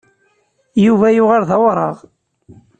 Yuba yuɣal d awraɣ.